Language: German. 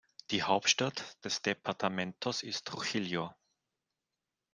Die Hauptstadt des Departamentos ist Trujillo.